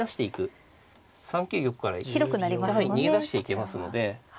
３九玉から逃げ出していけますので。